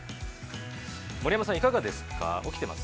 盛山さん、いかがですか、起きてます？